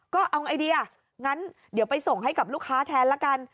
ก็เอาไอเดียงั้นเดี๋ยวไปส่งให้กับลูกค้าแทนละกัน